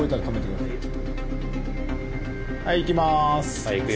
はいいきます。